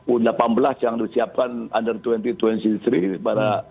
u delapan belas yang disiapkan under dua ribu dua puluh tiga pada